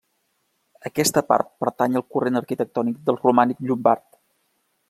Aquesta part pertany al corrent arquitectònic del romànic llombard.